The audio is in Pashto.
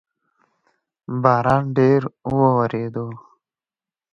باران ډیر اووریدو